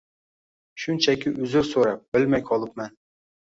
Shunchaki uzr soʻrab, bilmay qolibman.